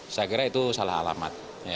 saya kira itu salah alamat